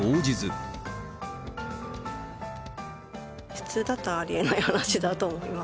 普通だったらありえない話だと思います。